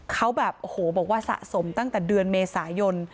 เขาแบบโอ้โหบอกว่าสะสมตั้งแต่เดือนเมษายน